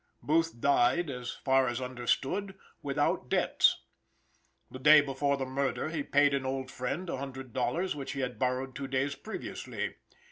Booth died, as far as understood without debts. The day before the murder he paid an old friend a hundred dollars which he had borrowed two days previously.